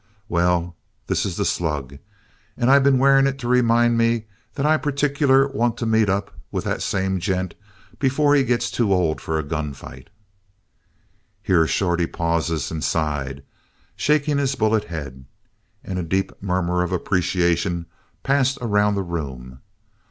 "'Well, this is the slug. And I been wearing it to remind me that I particular want to meet up with that same gent before he gets too old for a gunfight!'" Here Shorty paused and sighed, shaking his bullet head. And a deep murmur of appreciation passed around the room.